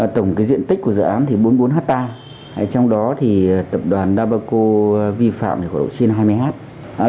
tổng diện tích của dự án thì bốn mươi bốn hectare trong đó tập đoàn đà bà cộ vi phạm của đội trên hai mươi hectare